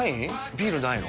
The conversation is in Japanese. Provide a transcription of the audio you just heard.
ビールないの？